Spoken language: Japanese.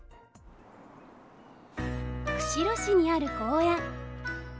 釧路市にある公園。